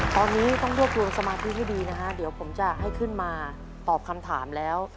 ตอนนี้ต้องรวบรวมสมาธิให้ดีนะฮะเดี๋ยวผมจะให้ขึ้นมาตอบคำถามแล้ว